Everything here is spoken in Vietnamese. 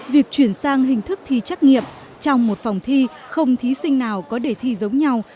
việc chuyển sang hình thức thi trắc nghiệm trong một phòng thi không thí sinh nào có đề thi giống nhau